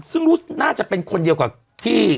ซึ่งรู้หน้าจะเป็นคนเดียวกว่าที่